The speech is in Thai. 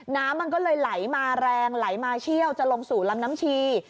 น้ำมันก็เลยไหลมาแรงไหลมาเชี่ยวจะลงสู่ลำน้ำชี